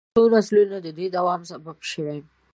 څو نسلونه د دې دوام سبب شوي.